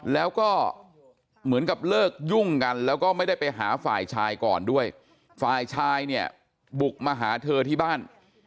แล้วก็เหมือนกับเลิกยุ่งกันแล้วก็ไม่ได้ไปหาฝ่ายชายก่อนด้วยฝ่ายชายเนี่ยบุกมาหาเธอที่บ้าน